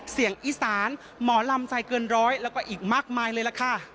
เสียงอีสานหมอลำใจเกินร้อยแล้วก็อีกมากมายเลยล่ะค่ะ